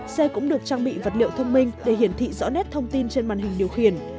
xe cũng được trang bị vật liệu thông minh để hiển thị rõ nét thông tin trên màn hình điều khiển